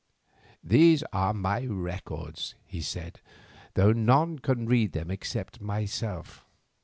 "These are my records," he said, "though none can read them except myself.